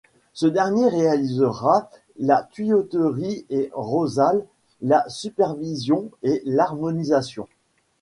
Ce dernier réalisera la tuyauterie et Rosales la supervision et l’harmonisation.